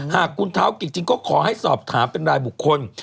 หากคุณเท้ากิจจริงก็ขอให้สอบถามเป็นรายบุคคล